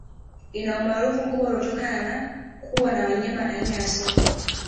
Ina umaarufu mkubwa unaotokana na kuwa na wanyama aina ya Sokwe